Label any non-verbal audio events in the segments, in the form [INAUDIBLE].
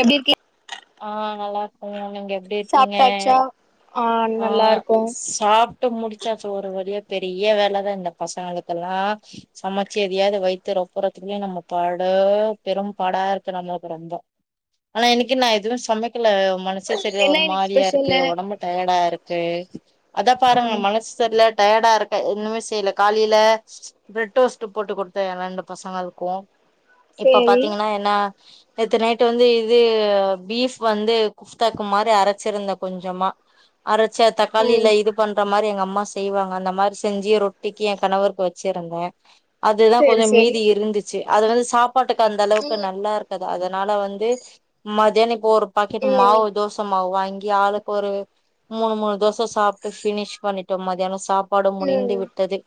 எப்டி இருக்கீங் ஆ நல்லாருக்கே நீங்க எப்டி இருக்கீங்க சாப்ட்டாச்சா ஆ நல்லா இருக்கோ சாப்டு முடிச்சாசு ஒரு வழிய பெரிய வேலதா இந்த பசங்களுக்கெல்லா சமச்சு எதியாது வைத்த ரொப்புறத்துகுளியோ நம்ம பாடா பெரும்பாடா இருக்கு நம்மளுக்கு ரொம்ப ஆனா இன்னிகின் நா எதுவு சமைக்கல மனசே சரியா என்ன ஒரு இன்னைக்கு மாரியா இருக்கு ஸ்பெஷலு ஒடம்பு டயடாருக்கு அதா பாருங்க ம் மனஸ் சர்ல டயடாருக்கு இன்னுமே செய்ல காலில பிரெட் ரோஸ்ட்டு போட்டு குடுத்தே ஏ ரெண்டு பசங்களுக்கு இப்ப சேரி பாத்தீங்கன்னா என்ன நேத்து நைட்டு வந்து இது பீப் வந்து குஸ்தாக்கு மாரி அரச்சிருந்தே கொஞ்சமா அரச்ச தக்காளில ம் இது பண்ற மாரி எங்க அம்மா செய்வாங்க அந்த மாரி செஞ்சி ரொட்டிக்கி ஏ கணவருக்கு வச்சிருந்தே அதுதா சேரி கொஞ்ஜோ சேரி மீதி இருந்துச்சி அத வந்து சாப்பாட்டுக்கு அந்த அளவுக்கு ம் நல்லா இருக் து அதனால வந்து மதியான இப்போ ஒரு பக்கெட் ம் மாவு தோச தோசமாவு வாங்கி ஆளுக்கொரு மூணு மூணு தோச சாப்டு பினிஷ் பண்ணிட்டோ மதியனோ சாப் பாடு முடிந்து ம் விட்டது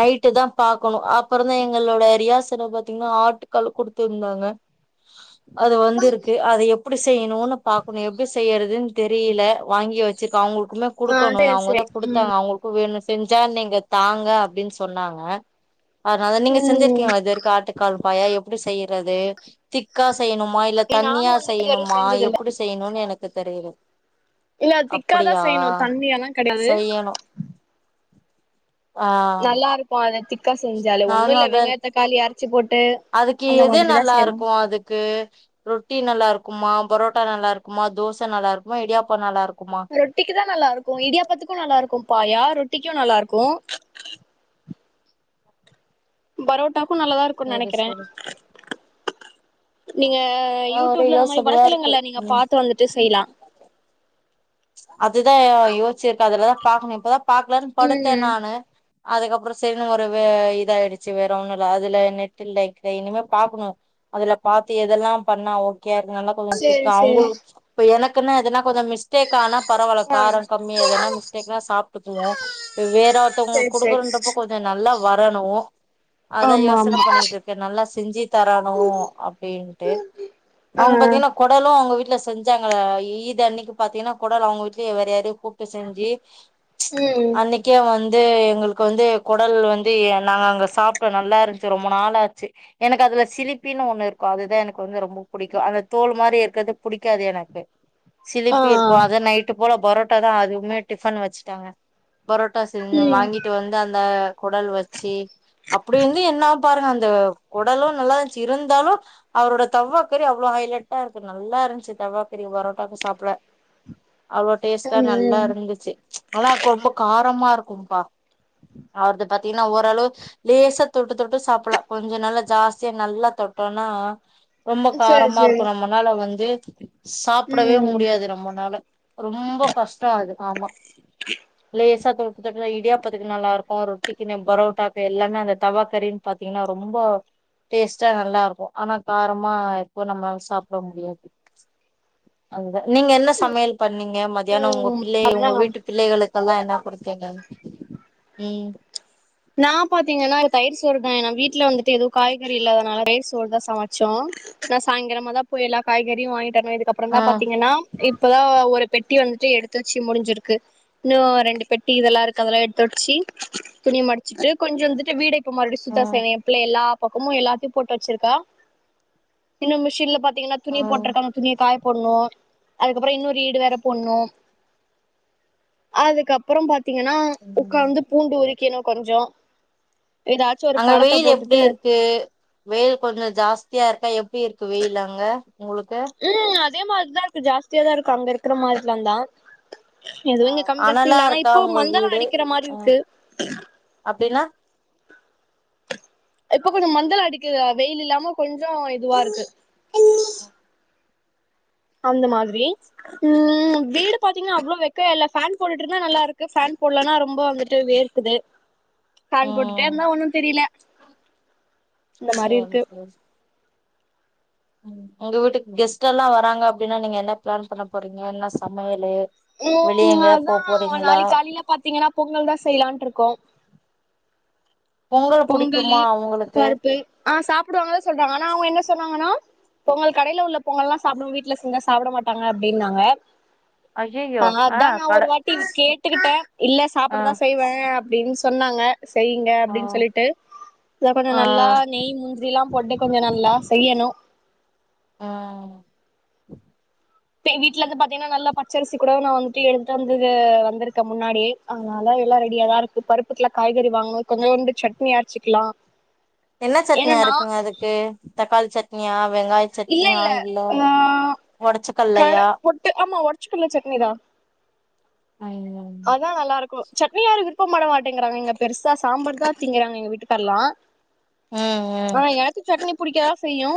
நைட்டு தா பாக்கோனு அப்ரோந்தா எங்களோட ரியாசண்ணா பாத்தீங்கன்னா ஆட்டுக்காலு கொடுத்திருந்தாங்க அது வந்திருக்கு அத எப் டி செய்ணுனு பாக்குனு எப்டி செய்றதுன்னு தெரில வாங்கி வச்சிருக் அவுங்களுக்குமே ஆ குடுக்கோனோ ஏ சேரி சேரி அவுங்கதா குடுத்தாங்க அவுங்களுக்கு வேணு செஞ்சா நீங்க தாங்க அப்டின்னு சொன்னாங்க அதுனால நீங்க ம் செஞ்சிருக்கியா இதுவரிக்கு ஆட்டுக்கால் பாயா எப்டி செய்றது திக்கா செய்ணுமா இல்ல ஏ தண்ணியா நானு வந்துட்டு இது வரையு செய்ணுமா செஞ்சதில்ல எப்டி செய்யணும்னு எனக்கு தெரில இல்ல திக்காதா அப்படியா செய்யணு தண்ணியாலா கெடையாது செய்யணு ஆ அப்ப அத திக்கா செஞ்சாலு ஒண்ணு நானு இல்ல அத வெங்காய் தக்காளி அறிஞ்சி போட்டு அதுக்கு அந்த எது மாதிரிதா செய்வோ நல்லாருக்கு அதுக்கு ரொட்டி நல்லாருக்குமா பரோட்டா நல்லாருக்குமா தோச நல்லாருக்குமா இடியாப்போ நல்லாருக்குமா ரொட்டிக்குதா நல்லாருக்கு இடியாப்பத்துக்கு நல்லாருக்கு பாயா ரொட்டிக்கு நல்லாருக்கு பரோட்டாக்கு நல்லதாருக்கு சேரி நெனைக்குறே சேரி ஆ நீங்க ஒரே யூடூப்ல இந்த மாரி யோசனையா இருக்கு வளத்தளங்கள்ல நீங்க ம் பாத்து வந்துட்டு செய்லா அதுதா யோஸ்ச்சிருக்கா அதுலதா பாக்கணு இப்பதா பாக்கலானு படுத்த ம் நானு அதுக்கப்புரோ செரின்னு ஒரு வே இத ஆயிடுச்சி வேற ஒன்னுல்ல அதுல நெட்டு இல்லக்கு இனிமே பாக்குணு அதுல பாத்து எதெல்லா பண்ணா ஓகே நல்ல சேரி ஊதிக்கலா சேரி அவுங்களு இப்ப எனக்குன்னா எதுனா கொஞ்சோ மிஸ்டேக் ஆனா பரவால்ல ஆ காரோ கம்மி எதன்னா மிஸ்டேக்னா சாப்ட்டுக்குவோ வேற ஒருத்தவங்களுக்கு சேரி சேரி குடுக்கறன்றப்ப சாப் நல்லா வரணு அதா ஆமா யோசன ஆமா பண்ணிட்ருக்கே நல்லா செஞ்சு தரணு அப்டின்ட்டு ஆ அவுங்க பாத்தீகனா கொடலு அவுங்க வீட்ல செஞ்சாங்க ஈது அன்னக்கி பாத்தீங்கன்னா குடல் அவுங் வீட்லே வேற யாரையு கூப்ட்டு செஞ்சி ம் அன்னைக்கி முக்கிய வந்து எங்களுக்கு வந்து குடல் வந்து நாங்க அங்க சாப்ட்டோ நல்லா இருந்துச்சி ரொம்ப நாளாச்சி எனக்கு அதுல சிலிப்பின்னு ஒண்ணு இருக்கு அதுதா எனக்கு வந்து ரொம்ப புடிக்கு அந்த தோல் மாரி இருக்கற்து புடிக்காது எனக்கு [UNINTELLIGIBLE] ஆ [UNINTELLIGIBLE] இருக்கு அத நைட்டு போல பரோட்டாதா அதுவுமே டிஃபன் வச்சிட்டாங்க பரோட்டா செஞ்ச [UNINTELLIGIBLE] ம் நைட் வந்து அந்த குடல் வச்சி அப்டி வந்து என்ன பாருங்க அந்த குடலு நல்லான்ச்சு இருந்தாலு அவரோட தவாக்கறி அவ்ளோ ஹைலட்டா இருக்கு நல்லா இருன்ச்சி தவாக்கறி பரோட்டாக்கு சாப்ட அவ்ளோ டேஸ்ட்டா நல்லா ம் இருந்துச்சி ஆனா ரொம்போ காரமா இருக்கும்பா அவுர்து பாத்திங்கன்னா ஓரளவு லேசா தொட்டு தொட்டு சாப்பலா கொஞ்சோ நால்லா ஜாஸ்தியா நல்லா தொட்டோனா ரொம்ப ம் சேரி காரமா சேரி இருக்கு நம்முனால வந்து சாப்புடவே ம் முடியாது நம்மனால ரொம்ப கஸ்டோ அது ஆமா லேசா தோட் டுதா இடியாப்பத்துக்கு நல்லாருக்கு ரொட்டிக்கின்னு பரோட்டாக்கு எல்லாமே அந்த தவாக்கரின் பாத்தீங்னா ரொம்போ டேஸ்ட்டா நல்லா இருக்கு ஆனா காரமா எப்போ நம்மளால சாப்புட முடியாது அதுதா நீங்க என்ன சமையல் பண்ணீங்க மதியானோ உங்க பிள்ளே உங்க ம் வீட்டுக் பிள்ளைகளுக்கெல்லா என்னா குடுத்தீங்க உம் நா பாத்தீங்னா தயிர் சோறுதா எங்க வீட்ல வந்துட்டு எதுவு காய்கறி இல்லாதுனால தயிர் சோறுதா சமச்சோ நா சாய்ங்கரமாதா போய் எல்லா காய்கறியு வாங்கிட்டு வரனு ஆ இதுக்கப்புறதா பாத்தீங்னா இப்பதா ஒரு பெட்டி வன்ட்டு எடுத்து வச்சி முடிஞ்சிருக்கு இன்னு ரெண்டு பெட்டி இதெல்லா இருக்கு அதெல்லா எடுத்து வச்சி துணி மடிச் சி வச்சிட்டு கொஞ்சோ வந்துட்டு வீட இப்ப மறுடி ஆ சுத்த செய்வே எப்பிள்ளே எல்லாப் பக்கமும் எல்லாத்தையு போட்டு வச்சிருக்கா இன்னு மிஷின்ல பாத்தீங்னா ஆ துணி போட்டருக்காங்க துணிய காய போடுணு அதுக்கப்புற இன்னொரு ரிடு வேற போடுணு அதுக்கப்புறம் பாத்தீங்னா உக்காந்து பூண்டு உரிக்கணு கொஞ்சோ ஏதாச்சு ஒரு அங்க படத்த வெயில் எப்டி போட்டுட்டு இருக்கு வெயில் கொஞ்சே ஜாஸ்தியா இருக்கா எப்டி இருக்கு வெயில் அங்க உங்ளுக்கு உம் அதே மாரிதா இருக்கு ஜாஸ்தியாதா இருக்கு அங்க இருக்கற மாரிலான்தா எதுவு இங்க கம்மி காஸ்தி அனலா இல்ல ஆனா இருக்கா இப்போ உங்க மந்தள வீடு அடிக்கிற மாரி அ இருக்கு அப்டின்னா இப்ப கொஞ்சோ மந்தளம் அடிக்குது வெயில் இல்லாம கொஞ்சோ இதுவா இருக்கு அந்த மாதிரி உம் வீடு பாத்தீங்கன்னா அவ்ளோ வெக்கயா இல்ல ஃபேன் போட்டுட்ருந்தா நல்லா இருக்கு ஃபேன் போட்லனா ரொம்ப விற் ட்டு வேர்க்குது ஃபேன் போட்டுட்டே ம் இருந்தா ஒண்ணு தெரில இந்த மாரி சேரி இருக்கு சேரி ம் உங்க வீட்டுக்கு கெஸ்ட்டெல்லா வராங்க அப்டின்னா நீங்க என்ன பிளான் பண்ண போறீங்க என்ன சமையலு வெளிய ம் எங்க போ அதா போறீங்களா நாளிக்கு காலில பாத்தீங்கன்னா பொங்கல் தா செய்லான்டுருக்கோ பொங்கல் புடிக்குமா பொங்கலு உங்களுக்கு பருப்பு ஆ சாப்புடுவாங்கதா சொல்றாங்க ஆனா அவுங்க என்ன சொன்னாங்கன்னா பொங்கல் கடேல உள்ள பொங்கல்லா சாப்டு வீட்ல செஞ்சா சாப்ட மாட்டாங்க அப்டின்னாங்க ஆ ஐயையோ அதா நா கட ஒரு வாட்டி கேட்டுக்கிட்ட இல்ல ஆ சாப்புடதா செய்வ அப்டின் சொன்னாங்க செய்யுங்க ஆ அப்டின் சொல்லிட்டு கொஞ்ச ஆ நல்லா நெய் முந்திரில்லா போட்டு கொஞ்ச நல்லா செய்யணு ஆ எங் வீட்ல இருந்து பாத்தீங்கன்னா நல்லா பச்சரிசி கூட நா வந்துட்டு எடுத்துட்டு வந்து வந்திருக்க முன்னாடி அதனால எல்லா ரெடியாதா இருக்கு பருப்புக்கிலா காய்கறி வாங்குனு கொஞ்சோண்டு சட்னி ஆரச்சிக்கிலா என்ன சட்னி அரப்பீங்க அதுக்கு தக்காளி சட்னியா வெங்காய சட்னியா ஆயில் இல்ல ஒடச்சு கல்லையா ட்டு ஆமா ஒடச்ச கல்ல சட்னி தா ஆய் இன்னம் அதா நல்லாருக்கு சட்னியாரு விருப்பட மாட்டேங்கிறாங்க இங்க பெருசா சாம்பார் தா திங்கறாங்க எங்க வீட்டுக்கார்ல்லா ம் ம் ஆ எனக்கு சட்னிப் புடிக்கதா செய்யு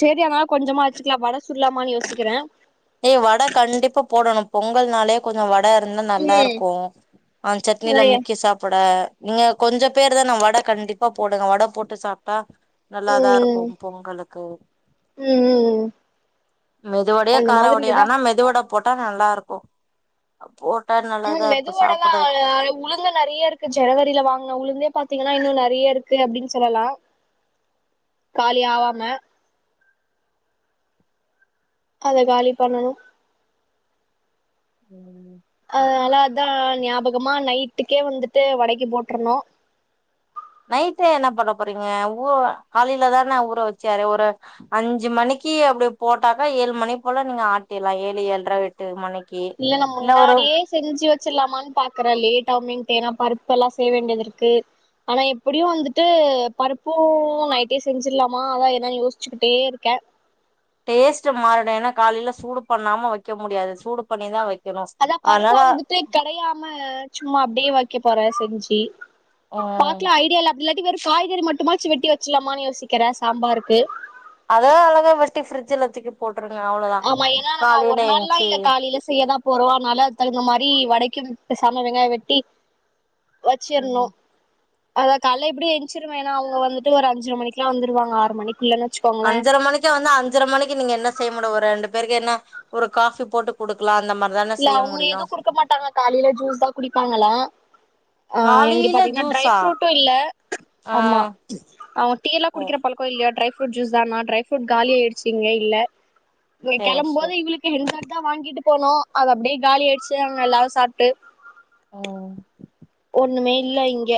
சேரி ஆனா கொஞ்சமா வச்சுக்கிலா வட சுடுலாமான்னு யோசிக்கிற ஏ வட கண்டிப்பா போடணு பொங்கல் நாலேப் கொஞ்ச வட இருந்தா ம் நல்லாருக்கு ஆந் சட்னில அதயே முக்கி சாப்புட நீங்க கொஞ்ச பேர்தான வட கண்டிப்பா போடுங்க வட போட்டு சாப்டா நல்லாதா ம் இருக்கு பொங்கலுக்கு ம் ம் மெதுவடையா அந்த மாதிரி காராவடைய எதா ஆனா மெதுவட போட்டா நல்லாருக்கு போட்டா நா ம் மெதுவடலா உளுந்து நெறைய இருக் க்கு ஜனவரில வாங்குன உளுந்தே பாத்தீங்கன்னா இன்னு நெறைய இருக்கு அப்டின் சொல்லலா காலி ஆவாம அத காலி பண்ணனு ம் அதனாலா அதா ஞாபகமா நைட்டுக்கே வந்துட்டு வடைக்கி போட்ரணு நைட்டே என்னா பண்ண போறீங்க ஊ காலைல தான ஊற வெச்சி அரை ஒரு அஞ்சி மணிக்கு அப்டி போட்டாக்கா ஏழு மணி போல நீங்க ஆட்டிர்லா ஏழு ஏல்ர எட் ட்டு மணிக்கு நா இல்ல ஒரு முன்னாடியே செஞ்சு வெச்சிரலாமான் பாக்குற லேட்டாவுமேன்ட்டு ஏன்னா பருப்பெல்லா செய்ய வேண்டியது இருக்கு ஆனா எப்பிடியு வந்துட்டு பருப்பு நைட்டே செஞ்சிடலாமா அதா என்னன்னு யோசிச்சுகிட்டே இருக்கே டேஸ்ட் மாறிடு ஏன்னா காலைல சூடு பண்ணாம வெக்க முடியாது சூடு பண்ணிதா வெக் அதா பருப்பு வந்துட்டு கடையாம சும்மா அப்டே வக்க போற செஞ்சி ம் பாக்கலா ஐடியா இல்ல இல்லாட்டி வெறு காய்கறி மட்டுமாச்சு வெட்டி வச்சிலாமான்னு யோசிக்கிற சாம்பாருக்கு அத அழகா வெட்டி ஃப்ரிட்ஜில தூக்கி போட்டுருங்க அவ்ளோதா ஆமா ஏனா நம்ம காலையில ஒரு நாள்லா எந்ச்சி இல்ல காலைல செய்யதா போறோ அதுனால அதுக் தகுந்த மாரி வடைக்கு பெசாம வெங்காய வெட்டி வச்சிர்ணு ம் அதா கால எப்டியு ஏன்ச்சிருவே ஏனா அவுங்க வந்துட்டு ஒரு அஞ்சர மணிக்குலா வந்துருவாங்க ஆறு மணிக்குள்ளனு வச்சி அஞ்சர மணி க்கு வந்து அஞ்சர மணிக்கு நீங்க என்ன செய்ய முடி ஒரு ரெண்டு பேருக்கு என்ன ஒரு காஃபி போட்டு குடுக்கலா அந்த மா இல்ல அவுங்க எதுவு குடுக்க மாட்டாங்க காலில ஜூஸ் தா குடிப்பாங்கலா ஆ இங்க காலையில பாத்தீங்கன்னா ட்ரை ஜூஸா ஃப்ரூட்டு இல்ல ஆ ஆமா அவ டீ எல்லா ஓ குடிக்கிற பழக்கோ இல்லியா ட்ரை ஃப்ரூட் ஜூஸ் தானா ட்ரை ஃப்ரூட் காலி ஆய்டுச்சி இங்க இல்ல இங்க சேரி கெளம்பும்போது சேரி இவளுக்கு [UNINTELLIGIBLE] தா வாங்கிட்டு போனு அது அப்டே காலி ஆய்டுச்சி அங்க எல்லாரு சாப்ட்டு ஆ ஒண்ணுமே இல்ல இங்க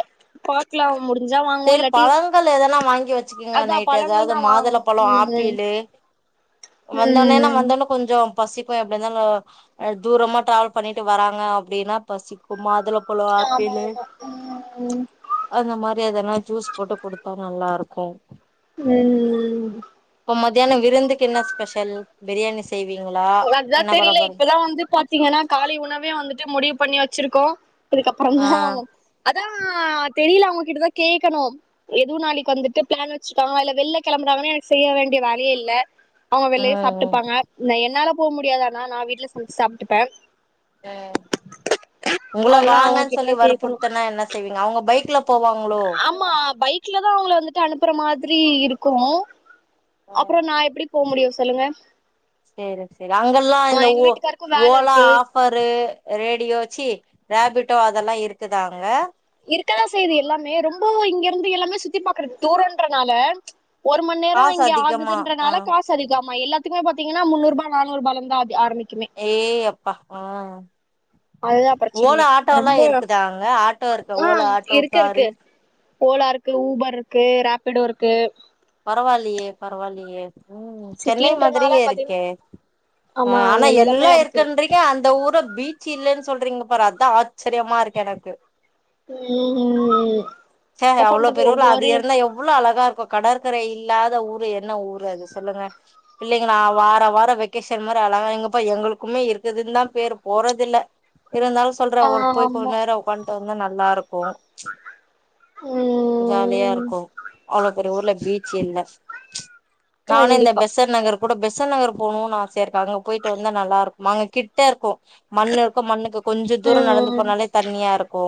பாக்லா முடிஞ்சா வாங்குவோ இல்லாட்டி பொங்கல் எதனா வாங்கி வெச்சுக்கோங்க அதான் நைட்டு பழங்கள் ஏதாவது தான் மாதுளம்பழோ வாங்கணும் ம் ஆப்பிளு வந்தோனே என்னா ம் வந்தொன்னே கொஞ்சொம் பசிக்கு எப்பிடி இருந்தாலு அ தூரமா டிராவல் பண்ணிட்டு வறாங்க அப்பிடின்னா பசிக்கு மாதுளம் பழொம் ஆமா ஆப்பிளு ஆமா ம் அந்த மாரி எதுனா ஜுஸ் போட்டு குடுத்தா நல்லா இருக்கு ம் ம் இப்ப மத்தியானம் விருந்துக்கு என்ன ஸ்பெஷல் பிரியாணி செய்வீங்களா என்ன பண்ணப் போறீங் அதா வந்து பாத்தீங்கன்னா காலை உணவே வந்துட்டு முடிவு பண்ணி வச்சிருக்கோ ஆ இதுக்கப்புறந்தா அதா தெரியில அவுங்ககிட்ட தா கேக்கணு எதுவு நாளைக்கு வந்துட்டு ப்ளான் வெச்சிருக்காங்க இல்ல வெளில கெளம்புறாங்கன்னா எனக்கு செய்ய வேண்டிய வேலையே இல்லே அவங்க வெளியே ம் சாப்பிட்டுப்பாங்க என்னால போக முடியாது ஆனா நா வீட் ட்டுல போய் சாப்ட்டுப்பே ம் உங்கள அதுதா அவங்க வாங்கன்னு சொல்லி கிட்டதா கேக்கணு வற்புறுத்துனா என்ன செய்வீங்க அவங்க பைக்ல போவாங்களோ ஆமா பைக்ல தா அவுங்கள வந்துட்டு அனுப்புற மாதிரி இருக்கும் அப்புறோ நா எப்பிடிப் போ முடியு சொல்லுங்க சேரி சேரி அங்கெல்லா ஆ இந்த எங்க ஓ வீட்டுக்காருக்கு வேல ஓலா இருக்கு ஆஃப் ப்பரு ரேடியோச் சீ ராபிட்டோ அதெல்லா இருக்குதாங்க இருக்க தா செய்யுது எல்லாமே ரொம்பவு இங்க இருந்து எல்லாமே சுத்தி பார்க்குறது தூரொன்றனால ஒரு மண் நேரோ காசு இங்கே அதிகமா ஆகுதுன்றனால ஆ கா சு அதிகமா எல்லாத்துக்குமே பாத்தீங்கன்னா முன்னூறு ரூபா நானூறு ரூபாலருந்து தா அதி ஆரம்பிக்குமே ஏய் அப்பா ம் அதுதான் ஓலா பிரச்சனையே ஆட்டோ எல்லா ரொம்ப இருக்குதா அங்க ஆட்டோ இருக்கா ஆ ஓலா ஆட்டோ இருக்கு காரு இருக்கு ஓலா இருக்கு ஊபர் இருக்கு ராப்பிடோ இருக்கு பரவாயில்லையே பரவாயில்லையே ம் சென்னை சிட்டின்றனால மாதிரியே இருக்கே பாத்தீங்கன்னா அ ஆமா ஆனா எல்லாமே எல்லா இருக்கு இருக்குன்றி [UNINTELLIGIBLE] அந்த ஊர பீச்சு இல்லேன்னு சொல்றீங்க பாரு அதா ஆச்சரியமா இருக்கு எனக்கு உம் ச என்ன அவ்வளவு பண்றது பெரிய ஊர்ல அது ஒவ்வொரு இருந்தா எவ்வளவு அழகா இருக்கு கடற் கரை இல்லாத ஊரு என்ன ஊரு அது சொல்லுங்க பிள்ளைங்கள வாரா வாரம் வெக்கேஷன் மாரி அழகா இங்கே போய் எங்களுக்குமே இருக்குதுன்னு தா பேரு போறதில்ல இருந்தாலு சொல்றே ஒரு போய் கொஞ்ச ஆமா நேரோ உக்காந்துட்டு வந்தா நல்லா இருக்கு ம் ஜாலியா இருக்கு அவ்வளவு பெரிய ஊர்ல பீச்சு இல்ல நானு இந்த கண்டிப்பா பெசன் நகர் கூட பெசன் நகர் போணும்னு ஆசையா இருக்கு அங்க போயிட்டு வந்து நல்லா இருக் மாங்க கிட்ட இருக்கோ மண்ணு இருக்கு மண்ணுக்கு கொஞ்ச தூரம் நடந்து உம் போனாலே தண்ணியா இருக்கு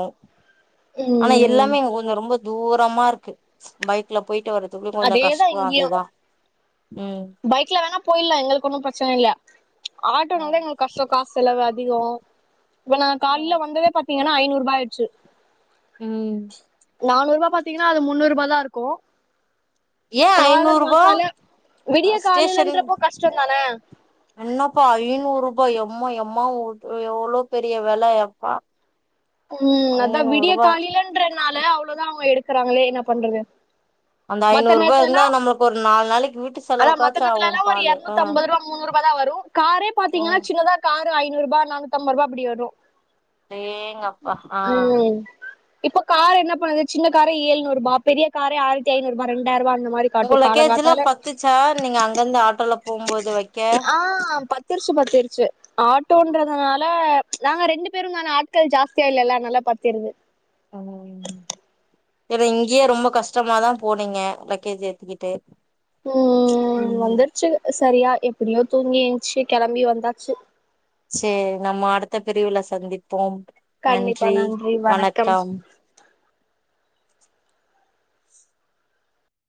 ஆனா உம் எல்லாமே இங்க கொஞ்சோ ரொம்ப தூரமா இருக்கு பைக்ல போயிட்டு வர்றக் [UNINTELLIGIBLE] கொஞ்சோ அதேதான் கஷ்டம இங்கேயும் இருக்குதா ம் பைக்ல வேணா போயிட்லா எங்களுக்கு ஒன்னும் பிரச்சன இல்ல ஆட்டோன்னாலே எங்களுக் காசோ காசு செலவு அதிகோ இப்ப நா காலேல வந்ததே பாத்தீங்கன்னா ஐநூறு ரூபா ஆயிடுச்சு ம் நானூறு ரூபா பாத்தீங்கன்னா அது முன்னூறு ரூபா தா இருக்கு ஏ ஐநூறுபா காலங்காத்தால விடிய ஸ்டேஷன் காலையிலன்றப்போ கஷ்டொந்தானே என்னப்பா ஐநூறு ரூபா எம்மா எம்மா [UNINTELLIGIBLE] எவ்வளோ பெரிய வெல எப்பா ம் அதா ஐநூறுபா விடியக்காலேலன்றதுனால அவ்ளவுதா அவங்க எடுக்கறாங்களே என்ன பண்றது அந்த மத்த ஐநூறு ரூபா நேரத்துல இருந்தா எல்லாம் நம்மளுக்கு ஒரு நாலு நாளைக்கு வீட்டு செலவுக்காச்சு ஆகும் பாலு ஆ முன்னூத்தம்பது ரூபா முன்னூறு ரூபா தா வரு காரே பாத்தீங்கன்னா ம் சின்னதா காரு ஐநூறு ரூபா நானூத்தம்பது ரூபா அப்பிடி வரு [UNINTELLIGIBLE] ஆ ம் இப்ப கார் என்ன பண்ணது சின்ன கார ஏழுறுபா பெரிய கார ஆயிர ஐநூறு ரெண்டாயிரூபா அந்த மாரி உங்க லக்கேஜ்லா பத்துச்சா நீங்க அங்கந்து ஆட்டோல போகும்போது வைக்க ஆ பத்திருச்சு பத்திருச்சு ஆட்டோன்றதுனால நாங்க ரெண்டு பேரு தான ஆட்கள் ஜாஸ்தியா இல்ல ல அதனால பத்திருது ம் ஏன்னா இங்கயே ரொம்ப கஷ்டமாதா போனீங்க லக்கேஜ் ஏத்திக்கிட்டு ம் வந்துருச்சு சரியா எப்டியோ தூங்கி ஏன்ச்சு கெளம்பி வந்தாச்சு சரி நம்ம அடுத்த பிரிவுல சந்திப்போம் நன்றி வணக்கம்